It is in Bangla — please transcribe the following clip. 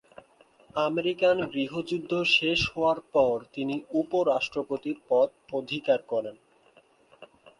আমেরিকান গৃহযুদ্ধ শেষ হওয়ার পর তিনি উপ-রাষ্ট্রপতির পদ অধিকার করেন।